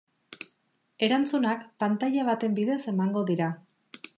Erantzunak pantaila baten bidez emango dira.